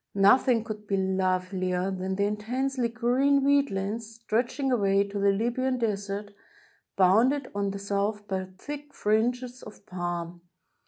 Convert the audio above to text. Nothing could be lovelier than the intensely green wheat lands, stretching away to the Libyan Desert, bounded on the south by thick fringes of palm.